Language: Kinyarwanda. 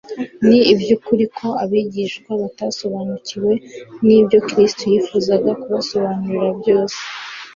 Ni iby'ukuri ko abigishwa batasobanukiwe n'ibyo Kristo yifuzaga kubasobanurira byose,